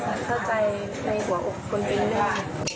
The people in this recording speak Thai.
เข้าใจในหัวอกของคุณเองได้